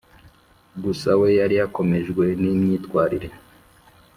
gusa we yari yakomejwe n’imyitwarire